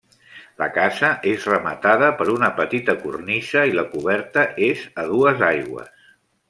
La casa és rematada per una petita cornisa i la coberta és a dues aigües.